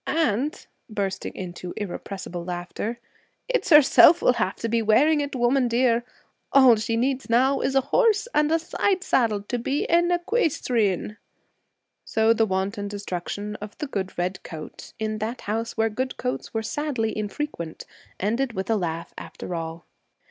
And,' bursting into irrepressible laughter, 'it's herself will have to be wearing it, woman dear! All she needs now is a horse and a side saddle to be an equeestrieen!' So the wanton destruction of the good red coat in that house where good coats were sadly infrequent ended with a laugh after all.